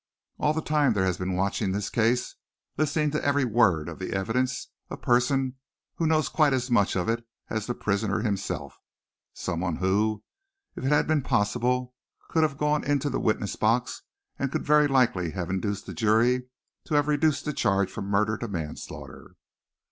All the time there has been watching this case, listening to every word of the evidence, a person who knows quite as much of it as the prisoner himself, someone who, if it had been possible, could have gone into the witness box and could very likely have induced the jury to have reduced the charge from murder to manslaughter.